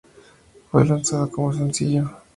Fue lanzada como sencillo.